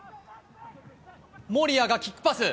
森谷がキックパス。